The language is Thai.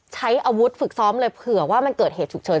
ใช้อาวุธฝึกซ้อมเลยเผื่อว่ามันเกิดเหตุฉุกเฉิน